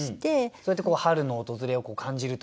そうやって春の訪れを感じるというか。